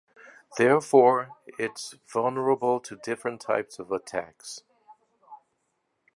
Therefore, it is vulnerable to different types of attacks.